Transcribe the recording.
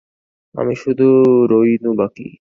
আমি শুধু রইনু বাকি।